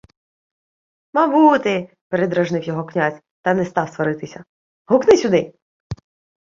— «Мабути», — передражнив його князь, та не став сваритися. — Гукни сюди.